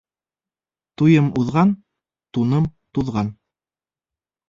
Туйым уҙған, туным туҙған.